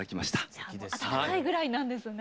じゃあ暖かいぐらいなんですね。